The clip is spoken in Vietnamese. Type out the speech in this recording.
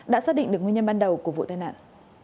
đã xác định được nguyên nhân ban đầu của vụ tai nạn